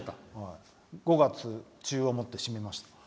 ５月中をもって閉めました。